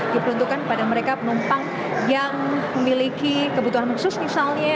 diperuntukkan kepada mereka penumpang yang memiliki kebutuhan khusus misalnya